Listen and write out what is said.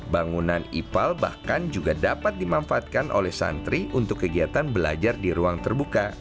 bangunan ipal bahkan juga dapat dimanfaatkan oleh santri untuk kegiatan belajar di ruang terbuka